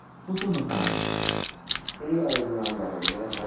笑顔なんだろうね多分。